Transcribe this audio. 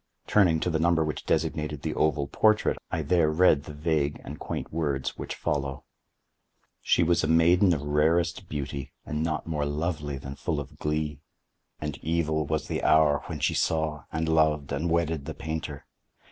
Turning to the number which designated the oval portrait, I there read the vague and quaint words which follow: "She was a maiden of rarest beauty, and not more lovely than full of glee. And evil was the hour when she saw, and loved, and wedded the painter.